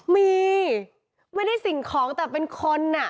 มีไม่ได้สิ่งของแต่เป็นคนอ่ะ